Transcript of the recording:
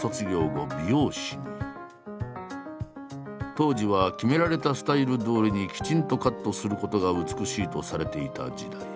当時は決められたスタイルどおりにきちんとカットすることが美しいとされていた時代。